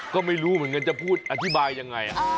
ก็ไม่รู้เหมือนกันจะพูดอธิบายยังไง